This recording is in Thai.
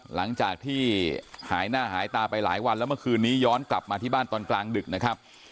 หลังจากที่หายหน้าหายตาไปหลายวันแล้วเมื่อคืนนี้ย้อนกลับมาที่บ้านตอนกลางดึกนะครับ